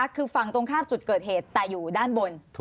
คือฝั่งตรงข้ามจุดเกิดเหตุแต่อยู่ด้านบน